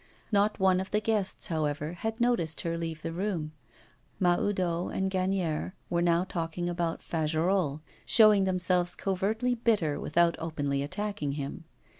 Not one of the guests, however, had noticed her leave the room. Mahoudeau and Gagnière were now talking about Fagerolles; showing themselves covertly bitter, without openly attacking him.